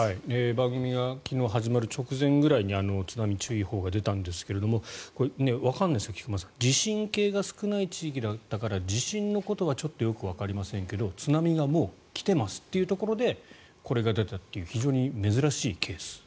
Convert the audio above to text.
番組が昨日始まる直前ぐらいに津波注意報が出たんですが、わからないですが菊間さん、地震計が少ない地域だから地震のことはちょっとよくわかりませんが津波がもう来てますというところでこれが出たという非常に珍しいケース。